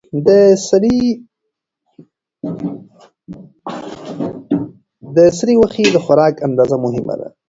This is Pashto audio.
د سرې غوښې د خوراک اندازه مهمه ده.